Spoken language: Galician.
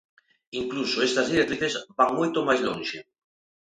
Incluso estas directrices van moito máis lonxe.